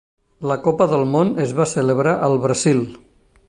La copa del món es va celebrar al Brasil.